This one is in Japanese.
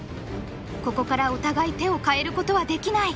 ここからお互い手を変えることはできない。